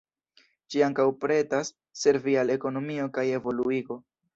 Ĝi ankaŭ pretas servi al ekonomio kaj evoluigo.